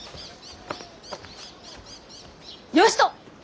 よしと！